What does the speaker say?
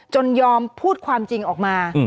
ยอมพูดความจริงออกมา